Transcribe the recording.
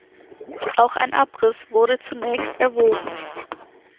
Auch ein Abriss wurde zunächst erwogen.